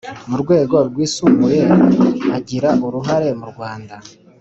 wo ku rwego rwisumbuye agira uruhare murwanda